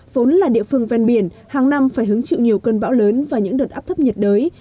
vốn là địa phương ven biển hàng năm phải hứng chịu nhiều cơn bão lớn và những đợt áp thấp nhiệt đới